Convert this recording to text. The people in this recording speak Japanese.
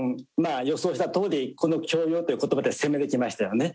あ予想したとおりこの「強要」という言葉で攻めてきましたよね。